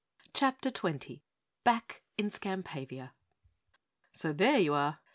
CHAPTER 20 Back in Skampavia! "So there you are!"